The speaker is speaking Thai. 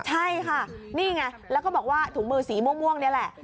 ใช่ค่ะนี่ไงแล้วก็บอกว่าถุงมือสีม่วงนี่แหละ